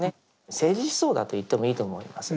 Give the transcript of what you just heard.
政治思想だと言ってもいいと思います。